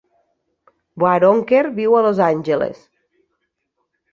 Waronker viu a Los Angeles.